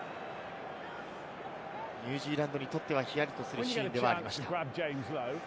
ニュージーランドにとってはヒヤリとするシーンでした。